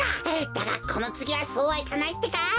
だがこのつぎはそうはいかないってか！